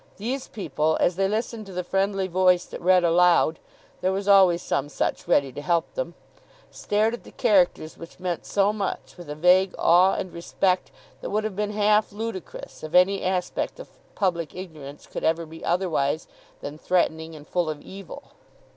These people, as they listened to the friendly voice that read aloud—there was always some such ready to help them—stared at the characters which meant so much with a vague awe and respect that would have been half ludicrous, if any aspect of public ignorance could ever be otherwise than threatening and full of evil.